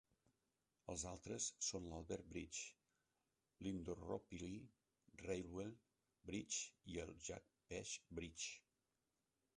Els altres són l"Albert Bridge, l"Indooroopilly Railway Bridge i el Jack Pesch Bridge.